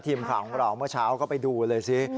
ทีมข่าวของเราเมื่อเช้าก็ไปดูเลยสิ